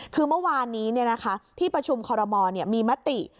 คือเมื่อวานนี้ที่ประชุมคอรมอลมีมติ